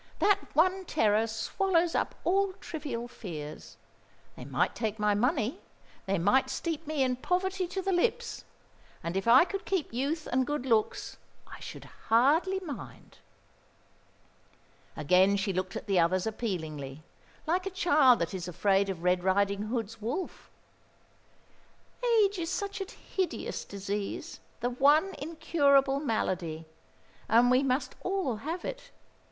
That one terror swallows up all trivial fears. They might take my money, they might steep me in poverty to the lips, and if I could keep youth and good looks, I should hardly mind." Again she looked at the others appealingly, like a child that is afraid of Red Riding hood's wolf. "Age is such a hideous disease the one incurable malady. And we must all have it.